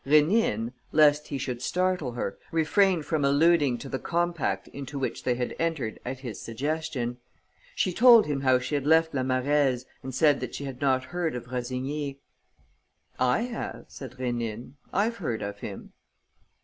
Rénine, lest he should startle her, refrained from alluding to the compact into which they had entered at his suggestion. She told him how she had left La Marèze and said that she had not heard of Rossigny. "I have," said Rénine. "I've heard of him."